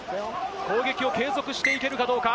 攻撃を継続していけるかどうか。